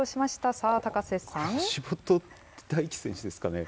さあ、橋本大輝選手ですかね。